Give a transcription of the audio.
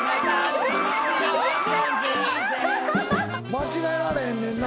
間違えられへんねんな。